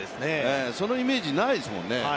そのイメージないですもんね。